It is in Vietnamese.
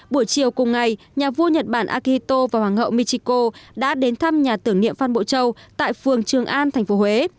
bữa chiều cùng ngày nhà vua nhật bản akihito và hoàng hậu michiko đã đến thăm nhà tưởng niệm phan bộ châu tại phường trường an thành phố huế